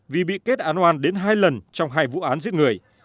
vì bị kết án oan đến hai lần trong hai vụ án giết người